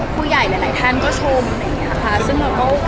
ผู้ใหญ่หลายท่านก็ชมซึ่งเราก็โอเค